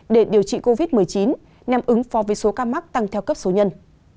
để điều trị covid một mươi chín nhằm ứng phó với số ca mắc tăng theo cấp số nhân